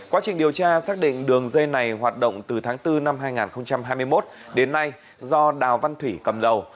quá trình điều tra xác định đường dây này hoạt động từ tháng bốn năm hai nghìn hai mươi một đến nay do đào văn thủy cầm đầu